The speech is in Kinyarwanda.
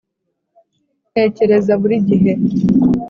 ntekereza buri gihe,